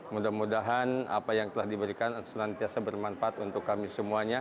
mudah mudahan apa yang telah diberikan senantiasa bermanfaat untuk kami semuanya